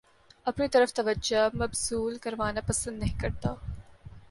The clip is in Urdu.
اپنی طرف توجہ مبذول کروانا پسند نہیں کرتا